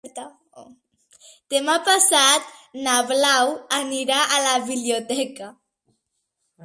Demà passat na Blau anirà a la biblioteca.